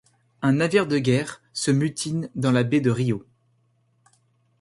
Un navire de guerre se mutine dans la baie de Rio.